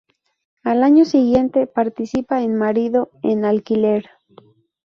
Al año siguiente participa en "Marido en alquiler".